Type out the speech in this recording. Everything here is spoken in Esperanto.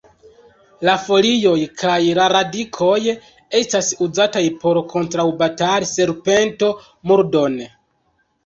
La folioj kaj la radikoj estas uzataj por kontraŭbatali serpento-murdon.